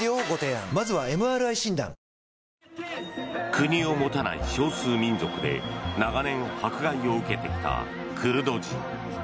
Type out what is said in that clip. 国を持たない少数民族で長年、迫害を受けてきたクルド人。